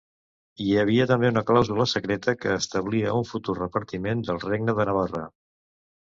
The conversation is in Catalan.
Hi havia també una clàusula secreta que establia un futur repartiment del regne de Navarra.